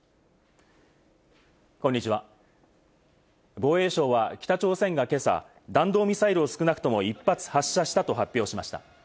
防衛省は北朝鮮は今朝、弾道ミサイルを少なくとも１発、発射したと発表しました。